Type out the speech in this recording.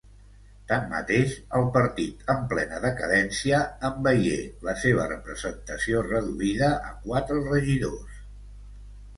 Tanmateix, el partit, en plena decadència, en veié la seva representació reduïda a quatre regidors.